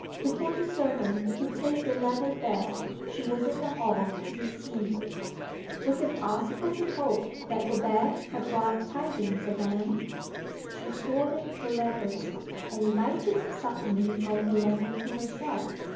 Before the servant could take the letter bag she was in the hall to receive it. Was it possible to hope that the bag had brought tidings of Anne? She sorted the letters; and lighted suddenly on a letter to herself.